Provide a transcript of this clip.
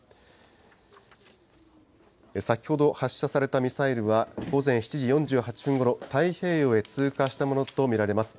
先ほど発射されたミサイルは、午前７時４８分ごろ、太平洋へ通過したものと見られます。